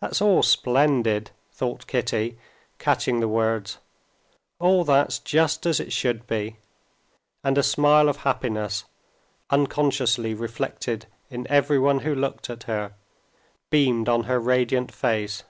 "That's all splendid," thought Kitty, catching the words, "all that's just as it should be," and a smile of happiness, unconsciously reflected in everyone who looked at her, beamed on her radiant face.